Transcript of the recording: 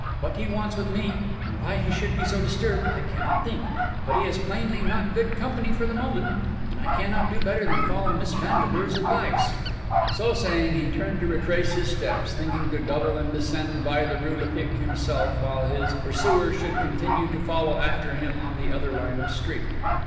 "What he wants with me, and why he should be so disturbed, I cannot think; but he is plainly not good company for the moment, and I cannot do better than follow Miss Vandeleur's advice." So saying, he turned to retrace his steps, thinking to double and descend by the Rue Lepic itself while his pursuer should continue to follow after him on the other line of street.